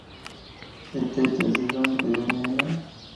اے کئی تہذیباں دی امین ہے۔